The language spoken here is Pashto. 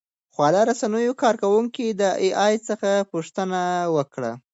خواله رسنیو کاروونکو د اې ای څخه پوښتنه وکړه.